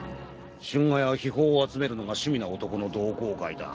春画や秘宝を集めるのが趣味な男の同好会だ。